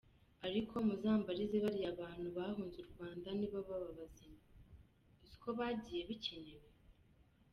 ariko muzambarize bariya bantu bahunz’uRwanda niba baba bazima?uziko bagiye bikenewe?